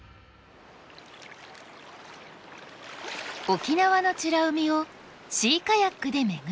沖縄の美ら海をシーカヤックで巡る旅。